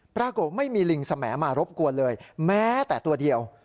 ปรากฏไม่มีลิงสมมารบกวนเลยแม้แต่ตัวเดียว